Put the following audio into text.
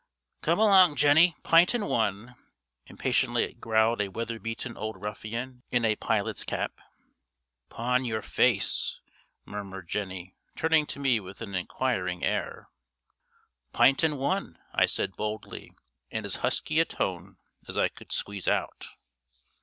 "Come along, Jenny, pint and one," impatiently growled a weather beaten old ruffian in a pilot's cap. "Pawn your face!" murmured Jenny, turning to me with an enquiring air. "Pint and one," I said boldly, in as husky a tone as I could squeeze out.